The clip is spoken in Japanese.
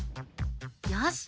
よし！